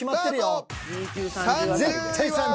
絶対３０。